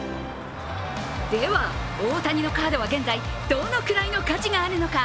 では、大谷のカードは現在、どのくらいの価値があるのか。